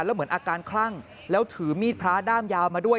แล้วเหมือนอาการคลั่งแล้วถือมีดพระด้ามยาวมาด้วย